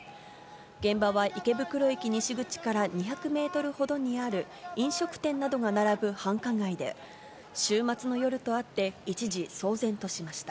現場は池袋駅西口から２００メートルほどにある飲食店などが並ぶ繁華街で、週末の夜とあって、一時、騒然としました。